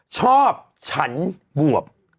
ชอบฉันบวบ